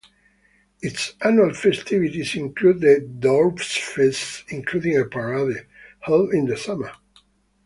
Its annual festivities include the "Doarpsfeest", including a parade, held in the summer.